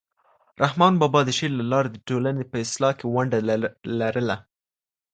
رحمان بابا د شعر له لارې د ټولنې په اصلاح کې ونډه لرله.